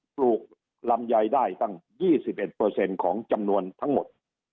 ปลูกลำไยได้ตั้ง๒๑ของจำนวนทั้งหมด